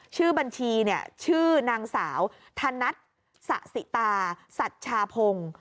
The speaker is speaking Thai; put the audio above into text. ชื่อบัญชีชื่อนางสาวธนัทสะสิตาสัชชาพงศ์